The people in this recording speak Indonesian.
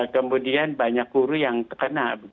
kemudian banyak guru yang terkena